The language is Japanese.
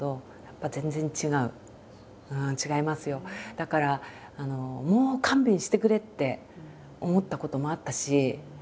だからもう勘弁してくれって思ったこともあったし。